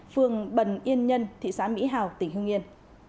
phường bần yên nhân thị xã mỹ hào tỉnh hương yên